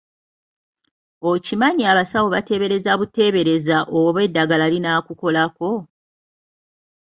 Okimanyi abasawo bateebereza buteebereza oba eddagala linaakukolako?